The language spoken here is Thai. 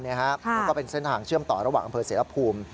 แล้วก็เป็นเส้นทางเชื่อมต่อระหว่างอำเภอเสรภูมิ